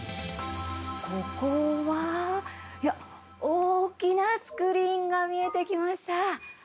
ここは大きなスクリーンが見えてきました。